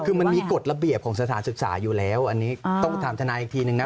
คือมันมีกฎระเบียบของสถานศึกษาอยู่แล้วอันนี้ต้องถามทนายอีกทีนึงนะ